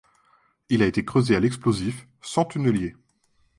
Il a été creusé à l'explosif, sans tunnelier.